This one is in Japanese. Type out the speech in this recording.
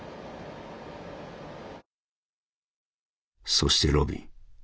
「そしてロビン。